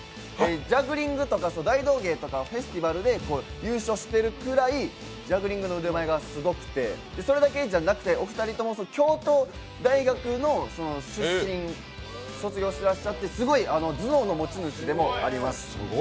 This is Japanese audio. ジャグリングとか大道芸とかフェスティバルで優勝しているぐらいジャグリングの腕前がすごくて、それだけじゃなくて、お二人とも京都大学を卒業していらっしゃってすごい頭脳の持ち主でもあります